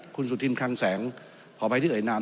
คุณสุธินคลังแสงขออภัยที่เอ่ยนาม